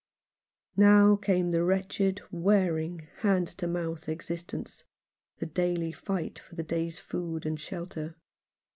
Now came the wretched wearing hand to mouth existence, the daily fight for the day's food and shelter.